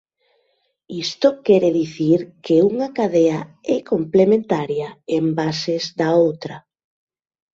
Isto quere dicir que unha cadea é "complementaria" en bases da outra.